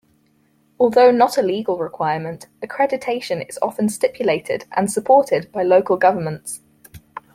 Although not a legal requirement, accreditation is often stipulated and supported by local governments.